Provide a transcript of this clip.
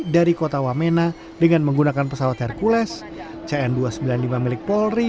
dari kota wamena dengan menggunakan pesawat hercules cn dua ratus sembilan puluh lima milik polri